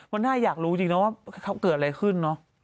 มันน่าอยากรู้จริงนะว่าเขาเกิดอะไรขึ้นเนอะ